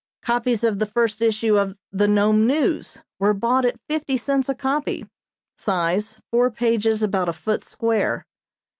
Copies of the first issue of the "Nome News" were bought at fifty cents a copy; size, four pages about a foot square.